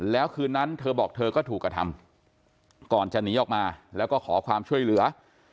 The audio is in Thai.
แล้วคืนนั้นเธอบอกเธอก็ถูกกระทำก่อนจะหนีออกมาแล้วก็ขอความช่วยเหลือ